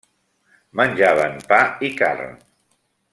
Menjaven pa i carn.